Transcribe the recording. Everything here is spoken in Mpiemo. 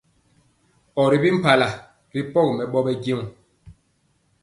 Or ri bi mpala ri pɔgi mɛbɔ bejɛɔ.